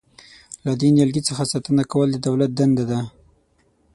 له دې نیالګي څخه ساتنه کول د دولت دنده ده.